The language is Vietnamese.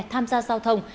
tham gia giao thông